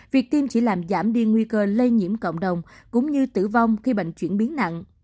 việc tiêm chỉ làm giảm đi nguy cơ lây nhiễm cộng đồng cũng như tử vong khi bệnh chuyển biến nặng